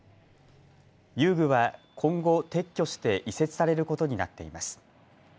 遊具は今後、撤去して移設されることになっています。